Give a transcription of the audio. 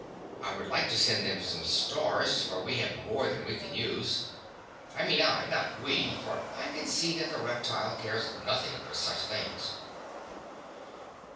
I would like to send them some stars, for we have more than we can use. I mean I, not we, for I can see that the reptile cares nothing for such things.